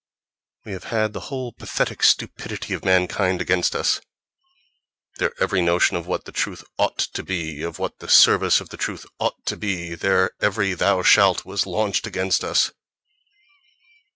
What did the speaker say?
We have had the whole pathetic stupidity of mankind against us—their every notion of what the truth ought to be, of what the service of the truth ought to be—their every "thou shalt" was launched against us....